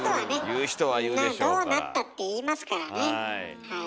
どうなったって言いますからねはい。